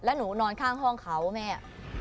แล้วหนูนอนข้างห้องเขาแม่